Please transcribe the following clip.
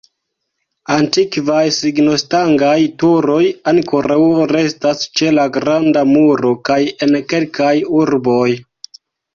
Antikvaj signostangaj turoj ankoraŭ restas ĉe la Granda Muro kaj en kelkaj urboj.